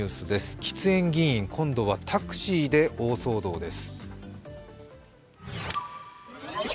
喫煙議員、今度はタクシーで大騒動です。